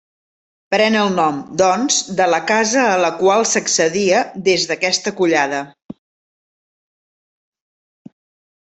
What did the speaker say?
Pren el nom, doncs, de la casa a la qual s'accedia des d'aquesta collada.